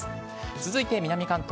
続いて南関東。